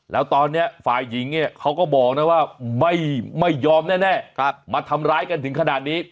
แล้วตอนนี้ฝ่ายหญิงเนี่ยเขาก็บอกนะว่าไม่ยอมแน่มาทำร้ายกันถึงขนาดนี้